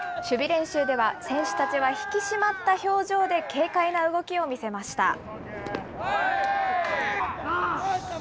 守備練習では選手たちは引き締まった表情で、軽快な動きを見せました。